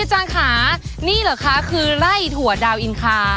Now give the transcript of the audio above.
อาจารย์ค่ะนี่เหรอคะคือไล่ถั่วดาวอินคา